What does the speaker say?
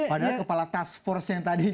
padahal kepala task force yang tadi